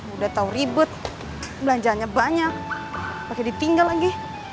udah tau ribet belanjaannya banyak pake ditinggal lagi